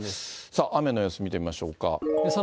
さあ、雨の様子、見てみましょうか。